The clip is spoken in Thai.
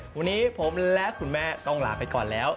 วันนี้ผมและคุณแม่ต้องลาไปก่อนแล้ว